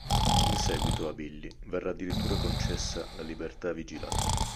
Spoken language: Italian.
In seguito a Billy verrà addirittura concessa la libertà vigilata.